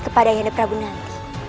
kepada ayanda prabu nanti